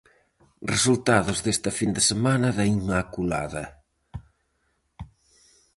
Resultados desta fin de semana da inmaculada.